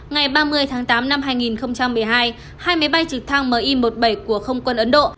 ngày ba mươi tháng tám năm hai nghìn một mươi hai hai máy bay trực thăng mi một mươi bảy của không quân ấn độ